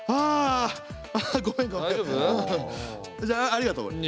じゃあありがとう。